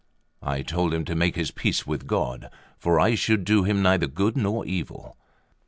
I told him to make his peace with God, for I should do him neither good nor evil.